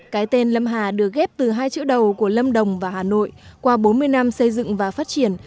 cái tên lâm hà được ghép từ hai chữ đầu của lâm đồng và hà nội qua bốn mươi năm xây dựng và phát triển